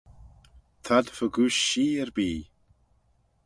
T'ad fegooish shee erbee.